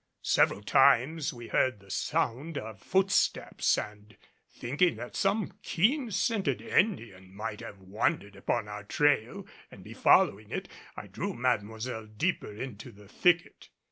Several times we heard the sound of footsteps, and thinking that some keen scented Indian might have wandered upon our trail and be following it, I drew Mademoiselle deeper into the thicket.